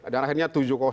dan akhirnya tujuh